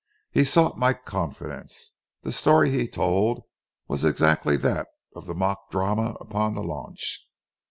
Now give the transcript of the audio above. He sought my confidence. The story he told was exactly that of the mock drama upon the launch.